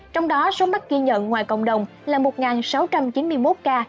trong đó số mắc ghi nhận ngoài cộng đồng là một sáu trăm chín mươi một ca